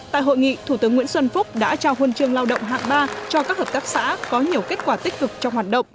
tại hội nghị thủ tướng nguyễn xuân phúc đã trao huân chương lao động hạng ba cho các hợp tác xã có nhiều kết quả tích cực trong hoạt động